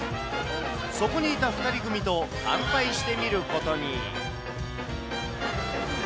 そこにいた２人組と乾杯してみることに。